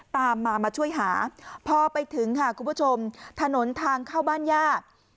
ตามมามาช่วยหาพอไปถึงค่ะคุณผู้ชมถนนทางเข้าบ้านย่า